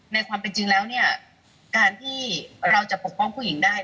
ในความเป็นจริงแล้วเนี่ยการที่เราจะปกป้องผู้หญิงได้